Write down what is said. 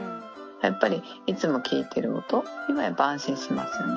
やっぱりいつも聞いてる音っていうのはやっぱ安心しますね。